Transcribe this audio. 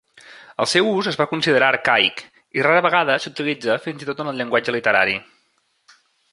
Es seu ús es va considerar arcaic i rara vegada s'utilitza fins i tot en el llenguatge literari.